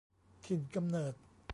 ถิ่นกำเนิด